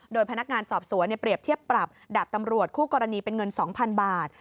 โดยพนักงานสอบสวนเปรียบเทียบปรับดาบตำรวจคู่กรณีเป็นเงิน๒๐๐๐บาท